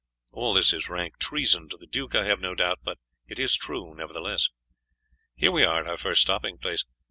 All this is rank treason to the duke, I have no doubt, but it is true nevertheless. Here we are at our first stopping place.